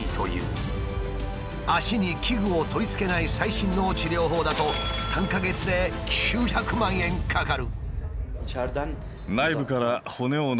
脚に器具を取り付けない最新の治療法だと３か月で９００万円かかる。